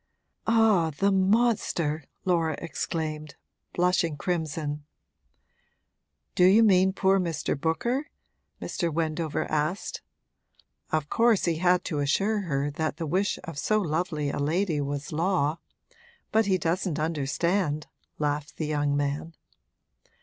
'Ah, the monster!' Laura exclaimed, blushing crimson. 'Do you mean poor Mr. Booker?' Mr. Wendover asked. 'Of course he had to assure her that the wish of so lovely a lady was law. But he doesn't understand!' laughed the young man.